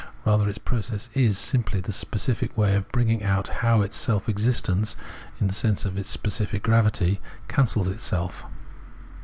Rather, its process is simply the specific way of bringing out how its self existence, in the sense of its specific gravity, cancels itself.